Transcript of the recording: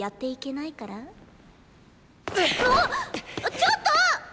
ちょっとぉ！